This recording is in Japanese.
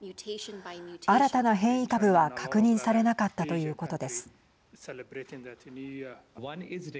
新たな変異株は確認されなかったということです。